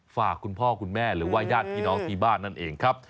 คุณพ่อคุณแม่หรือว่าญาติพี่น้องที่บ้านนั่นเองครับ